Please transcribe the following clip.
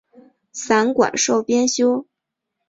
散馆授编修。